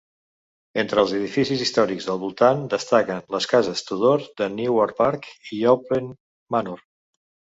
Entre els edificis històrics del voltant destaquen les cases Tudor de Newark Park i Owlpen Manor.